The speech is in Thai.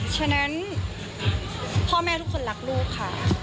ฉะนั้นพ่อแม่ทุกคนรักลูกค่ะ